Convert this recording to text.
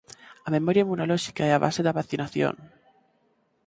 A memoria inmunolóxica é a base da vacinación.